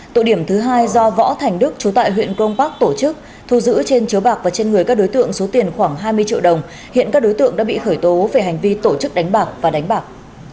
tụ điểm thứ hai do võ thành đức chú tại huyện crong park tổ chức thu giữ trên chiếu bạc và trên người các đối tượng số tiền khoảng hai mươi triệu đồng hiện các đối tượng đã bị khởi tố về hành vi tổ chức đánh bạc và đánh bạc